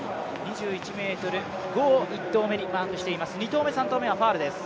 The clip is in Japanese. ２１ｍ５を１投目にマークしています。